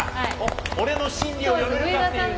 俺の心理を読めるかっていうね。